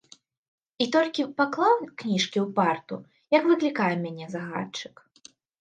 І толькі паклаў кніжкі ў парту, як выклікае мяне загадчык.